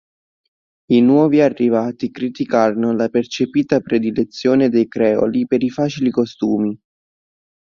I nuovi arrivati criticarono la percepita predilezione dei creoli per i facili costumi.